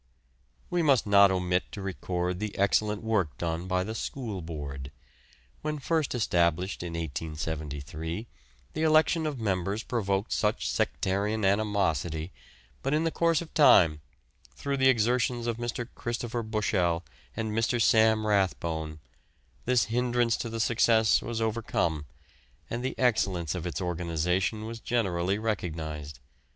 We must not omit to record the excellent work done by the School Board. When first established in 1873, the election of members provoked much sectarian animosity, but in the course of time, through the exertions of Mr. Christopher Bushell and Mr. Sam Rathbone, this hindrance to its success was overcome, and the excellence of its organisation was generally recognised.